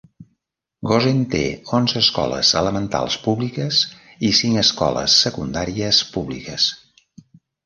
Gosen té onze escoles elementals públiques i cinc escoles secundàries públiques.